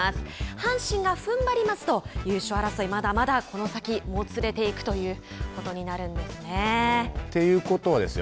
阪神がふんばりますと優勝争い、まだまだ、この先もつれていくということになるんですね。ということはですよ